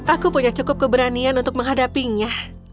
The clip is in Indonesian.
aku punya cukup keberanian untuk menghadapinya